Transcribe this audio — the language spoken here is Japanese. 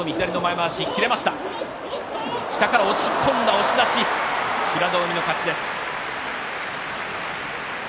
押し出し平戸海の勝ちです。